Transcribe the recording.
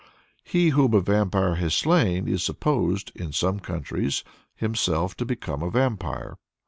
He whom a vampire has slain is supposed, in some countries, himself to become a vampire.